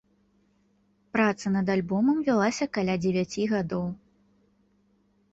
Праца над альбомам вялася каля дзевяці гадоў.